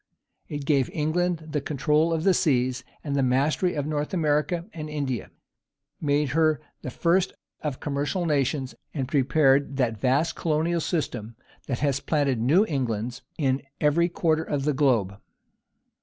It gave England the control of the seas and the mastery of North America and India, made her the first of commercial nations, and prepared that vast colonial system that has planted new Englands in every quarter of the globe.